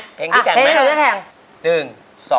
อะเพลงงั้นจะแข่ง